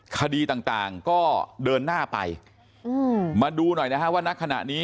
คดีต่างต่างก็เดินหน้าไปมาดูหน่อยนะฮะว่านักขณะนี้